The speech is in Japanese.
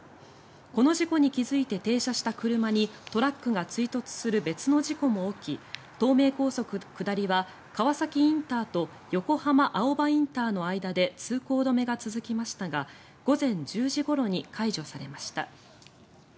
この事故に気付いて停車した車にトラックが追突する別の事故も起き東名高速下りは川崎ＩＣと横浜青葉ＩＣの間で通行止めが続きましたが午前１０時ごろに解除されました。